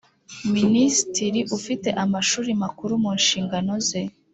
Minisitiri ufite amashuri makuru mu nshingano ze